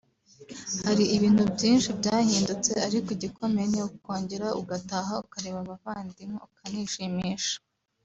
Hari ibintu byinshi byahindutse ariko igikomeye ni ukongera gutaha ukareba abavandimwe ukanishimisha